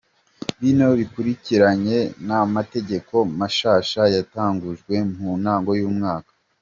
Bino bikurikiranye n'amategeko mashasha yatangujwe mu ntango y'umwaka.